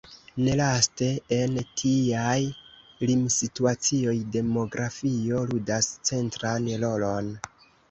Nelaste, en tiaj limsituacioj, demografio ludas centran rolon.